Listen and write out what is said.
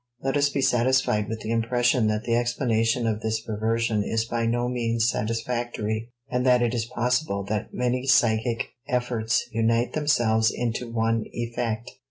Let us be satisfied with the impression that the explanation of this perversion is by no means satisfactory and that it is possible that many psychic efforts unite themselves into one effect.